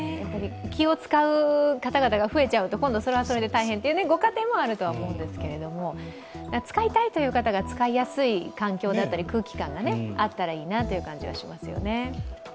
気を使う方々が増えちゃうと、今度、それはそれで大変というご家庭もあると思うんですけど使いたいという方が使いやすい環境だったり空気感があったらいいなという感じがしますよね。